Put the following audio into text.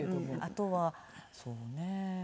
あとはそうね。